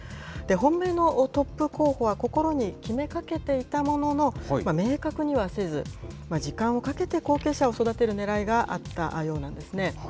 本命のトップ候補は心に決めかけていたものの、明確にはせず、時間をかけて後継者を育てるねらいがあったようなんですね。